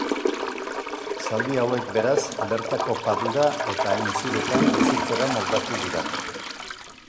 Zaldi hauek beraz, bertako padura eta aintziretan bizitzera moldatu dira.